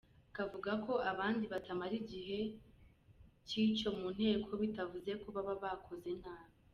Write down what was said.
Akavuga ko abandi batamara igihe cy’icyo mu nteko bitavuze ko baba bakoze nabi.